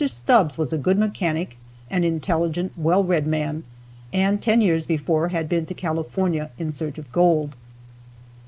Stubbs was a good mechanic, an intelligent, well read man, and ten years before had been to California in search of gold.